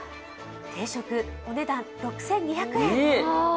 定食、お値段６２００円。